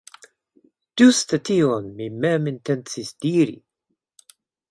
Ĝuste tion mi mem intencis diri.